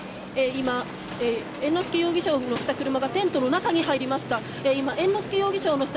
今、猿之助容疑者を乗せた車がテントの中に入りました。